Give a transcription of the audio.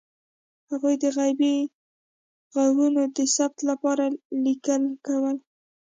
هغوی د غیبي غږونو د ثبت لپاره لیکل کول.